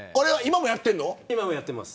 今もやってます。